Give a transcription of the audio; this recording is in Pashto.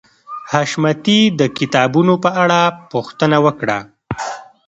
حشمتي د کتابونو په اړه پوښتنه وکړه